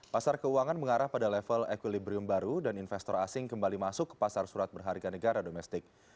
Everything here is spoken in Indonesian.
pasar keuangan mengarah pada level equilibrium baru dan investor asing kembali masuk ke pasar surat berharga negara domestik